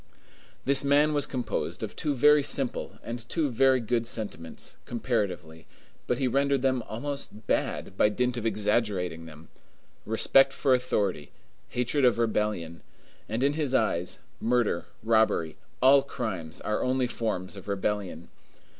This man was composed of two very simple and two very good sentiments, comparatively; but he rendered them almost bad, by dint of exaggerating them,—respect for authority, hatred of rebellion; and in his eyes, murder, robbery, all crimes, are only forms of rebellion.